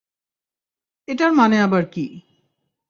এটার মানে আবার কী?